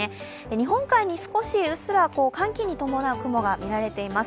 日本海に少しうっすら寒気に伴う雲が見られています。